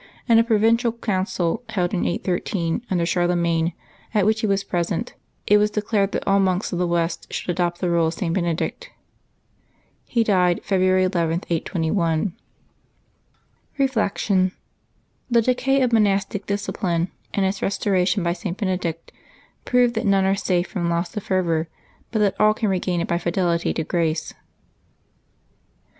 In a Provincial Council held in 813, under Charlemagne, at which he was present, it was declared that all monks of the West should adopt the rule of St. Benedict. He died February 11, 821. Reflection. — The decay of monastic discipline and its restoration by St. Benedict prove that none are safe from loss of fervor, but that all can regain it by fidelity to grace.